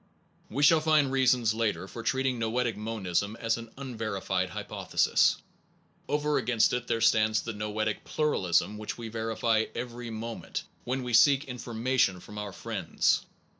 We shall find reasons later for treating noetic monism as an unverified hypothesis. Over Unity by against it there stands the noetic concate nation pluralism which we verify every moment when we seek information from our friends.